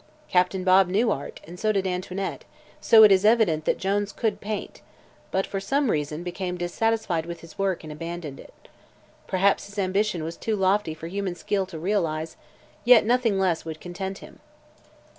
Captain Bob knew art, and so did Antoinette, so it is evident that Jones could paint, but for some reason became dissatisfied with his work and abandoned it. Perhaps his ambition was too lofty for human skill to realize, yet nothing less would content him."